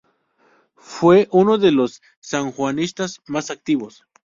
Fue uno de los Sanjuanistas más activos.